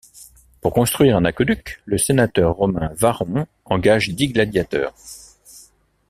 Pour construire un aqueduc, le sénateur romain Varron engage dix gladiateurs.